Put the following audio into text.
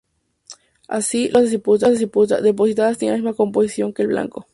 Así, las películas depositadas tienen la misma composición que el blanco.